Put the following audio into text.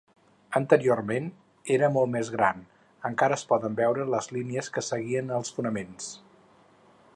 Anteriorment era molt més gran, encara es poden veure les línies que seguien els fonaments.